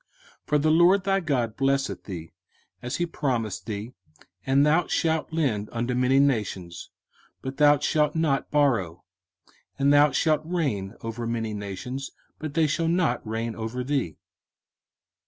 05:015:006 For the LORD thy God blesseth thee, as he promised thee: and thou shalt lend unto many nations, but thou shalt not borrow; and thou shalt reign over many nations, but they shall not reign over thee.